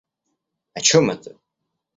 О чем это?